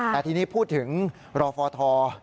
แต่ทีนี้พูดถึงรอฟท